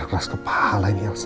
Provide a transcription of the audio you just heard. gak keras kepala ini elsa